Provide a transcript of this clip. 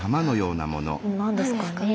何ですかね。